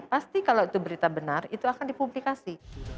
pasti kalau itu berita benar itu akan dipublikasi